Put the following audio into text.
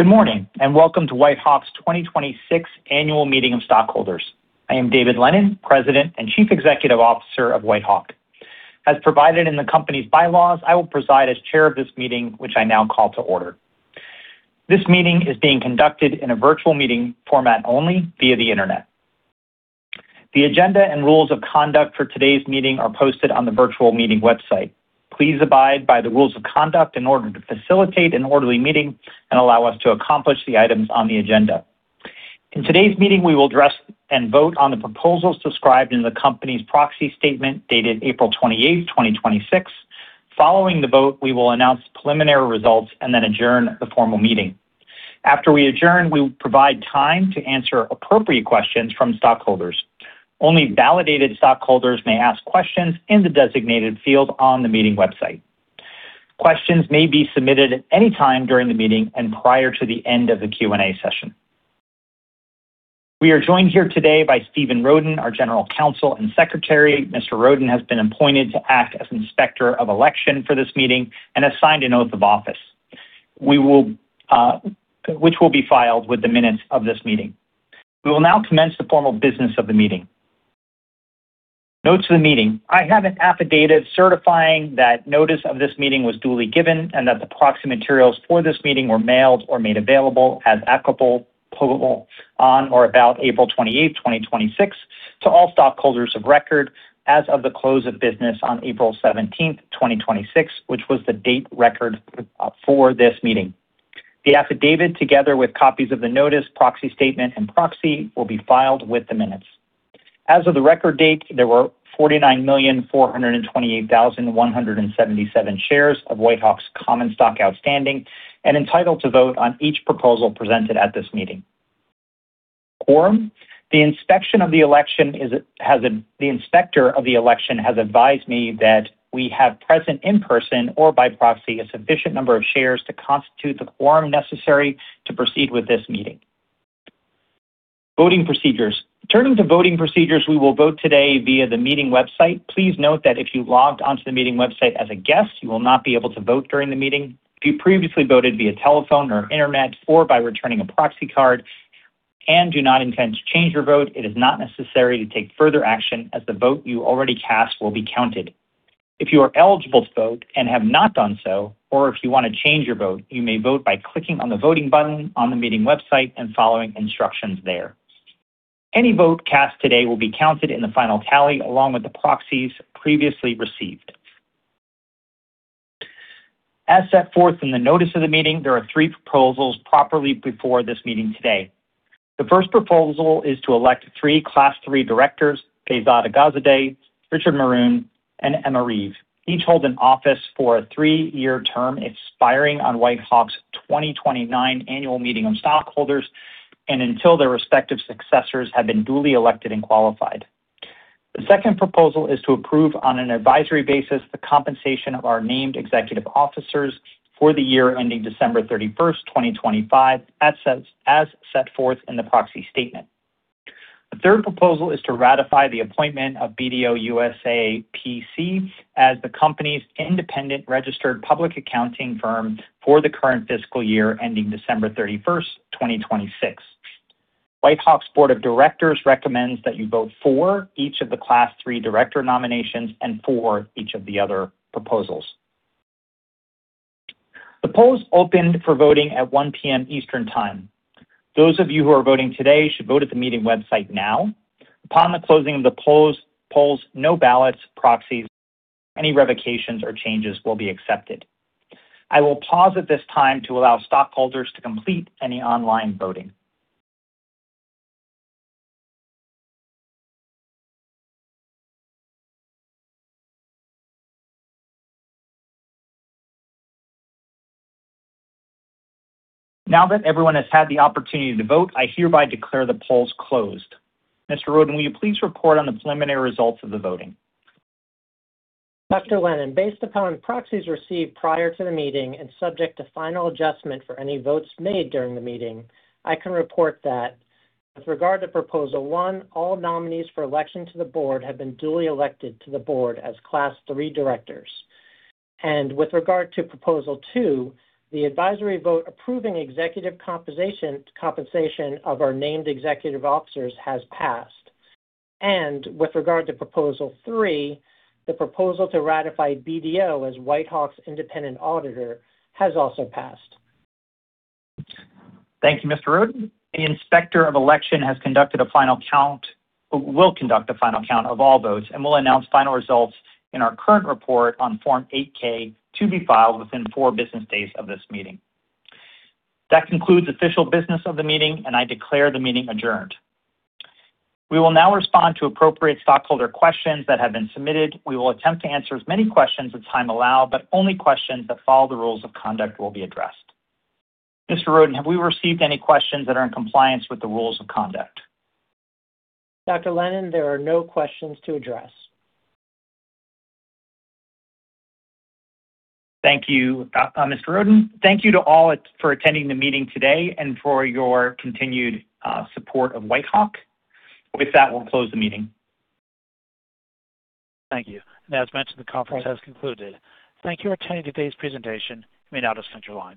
Good morning, welcome to Whitehawk's 2026 Annual Meeting of Stockholders. I am Dave Lennon, President and Chief Executive Officer of Whitehawk. As provided in the company's bylaws, I will preside as chair of this meeting, which I now call to order. This meeting is being conducted in a virtual meeting format only via the internet. The agenda and rules of conduct for today's meeting are posted on the virtual meeting website. Please abide by the rules of conduct in order to facilitate an orderly meeting and allow us to accomplish the items on the agenda. In today's meeting, we will address and vote on the proposals described in the company's proxy statement, dated April 28, 2026. Following the vote, we will announce preliminary results and then adjourn the formal meeting. After we adjourn, we will provide time to answer appropriate questions from stockholders. Only validated stockholders may ask questions in the designated field on the meeting website. Questions may be submitted at any time during the meeting and prior to the end of the Q&A session. We are joined here today by Steven Rodin, our General Counsel and Secretary. Mr. Rodin has been appointed to act as Inspector of Election for this meeting and has signed an oath of office, which will be filed with the minutes of this meeting. We will now commence the formal business of the meeting. Note to the meeting. I have an affidavit certifying that notice of this meeting was duly given and that the proxy materials for this meeting were mailed or made available as applicable on or about April 28, 2026 to all stockholders of record as of the close of business on April 17, 2026, which was the date record for this meeting. The affidavit, together with copies of the notice, proxy statement, and proxy, will be filed with the minutes. As of the record date, there were 49,428,177 shares of Whitehawk's common stock outstanding and entitled to vote on each proposal presented at this meeting. Quorum. The inspector of the election has advised me that we have present in person or by proxy a sufficient number of shares to constitute the quorum necessary to proceed with this meeting. Voting procedures. Turning to voting procedures, we will vote today via the meeting website. Please note that if you logged onto the meeting website as a guest, you will not be able to vote during the meeting. If you previously voted via telephone or internet or by returning a proxy card and do not intend to change your vote, it is not necessary to take further action as the vote you already cast will be counted. If you are eligible to vote and have not done so, or if you want to change your vote, you may vote by clicking on the voting button on the meeting website and following instructions there. Any vote cast today will be counted in the final tally, along with the proxies previously received. As set forth in the notice of the meeting, there are 3 proposals properly before this meeting today. The first proposal is to elect 3 Class 3 directors, Behzad Aghazadeh, Richard Maroun, and Emma Reeve. Each hold an office for a three-year term expiring on Whitehawk's 2029 Annual Meeting of Stockholders and until their respective successors have been duly elected and qualified. The second proposal is to approve, on an advisory basis, the compensation of our named executive officers for the year ending December 31st, 2025, as set forth in the proxy statement. The third proposal is to ratify the appointment of BDO USA, P.C. as the company's independent registered public accounting firm for the current fiscal year ending December 31st, 2026. Whitehawk's Board of Directors recommends that you vote for each of the class 3 director nominations and for each of the other proposals. The polls opened for voting at 1:00 P.M. Eastern Time. Those of you who are voting today should vote at the meeting website now. Upon the closing of the polls, no ballots, proxies, any revocations, or changes will be accepted. I will pause at this time to allow stockholders to complete any online voting. Now that everyone has had the opportunity to vote, I hereby declare the polls closed. Mr. Rodin, will you please report on the preliminary results of the voting? Dr. Lennon, based upon proxies received prior to the meeting and subject to final adjustment for any votes made during the meeting, I can report that with regard to proposal one, all nominees for election to the board have been duly elected to the board as class 3 directors. With regard to proposal two, the advisory vote approving executive compensation of our named executive officers has passed. With regard to proposal three, the proposal to ratify BDO as Whitehawk's independent auditor has also passed. Thank you, Mr. Rodin. The Inspector of Election will conduct a final count of all votes and will announce final results in our current report on Form 8-K, to be filed within four business days of this meeting. That concludes official business of the meeting, and I declare the meeting adjourned. We will now respond to appropriate stockholder questions that have been submitted. We will attempt to answer as many questions as time allow, but only questions that follow the rules of conduct will be addressed. Mr. Rodin, have we received any questions that are in compliance with the rules of conduct? Dr. Lennon, there are no questions to address. Thank you, Mr. Rodin. Thank you to all for attending the meeting today and for your continued support of Whitehawk. With that, we'll close the meeting. Thank you. As mentioned, the conference has concluded. Thank you for attending today's presentation. You may now disconnect your line.